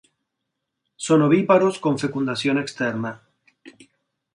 Son ovíparos con fecundación externa.